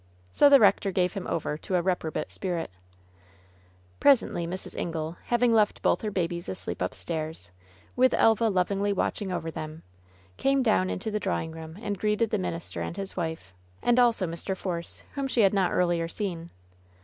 So the rector gave him over to a reprobate spirit. Presently Mrs. Ingle — ^having left both her babies asleep upstairs, with Elva lovingly watching over them — came down into the drawing room and greeted the minister and his wife, and also Mr. Force, whom she had not earlier seen.